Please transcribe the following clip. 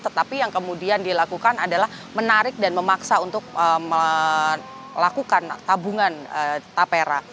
tetapi yang kemudian dilakukan adalah menarik dan memaksa untuk melakukan tabungan tapera